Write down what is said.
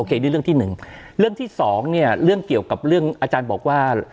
นี่เรื่องที่หนึ่งเรื่องที่สองเนี่ยเรื่องเกี่ยวกับเรื่องอาจารย์บอกว่า